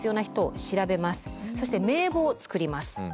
そして名簿を作ります。